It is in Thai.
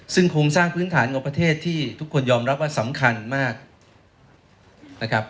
ซึ่งโครงสร้างพื้นฐานของประเทศที่ทุกคนยอมรับว่าสำคัญมากนะครับ